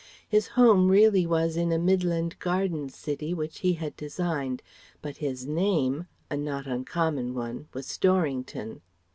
His home really was in a midland garden city which he had designed, but his name a not uncommon one was Storrington.